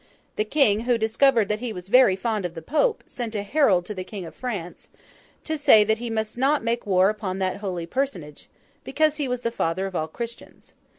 The King, who discovered that he was very fond of the Pope, sent a herald to the King of France, to say that he must not make war upon that holy personage, because he was the father of all Christians.